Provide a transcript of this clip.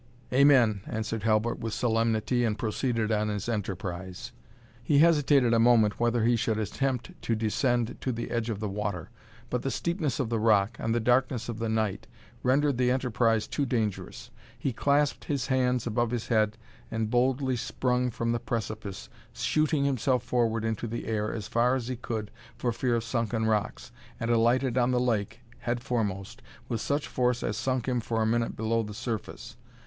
"Amen!" answered Halbert, with solemnity, and proceeded on his enterprise. He hesitated a moment whether he should attempt to descend to the edge of the water; but the steepness of the rock, and darkness of the night, rendered the enterprise too dangerous. He clasped his hands above his head and boldly sprung from the precipice, shooting himself forward into the air as far as he could for fear of sunken rocks, and alighted on the lake, head foremost, with such force as sunk him for a minute below the surface.